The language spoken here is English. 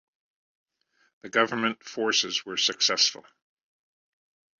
The government forces were successful.